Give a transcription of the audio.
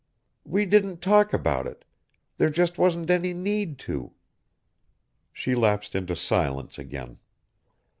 We didn't talk about it. There just wasn't any need to." She lapsed into silence again.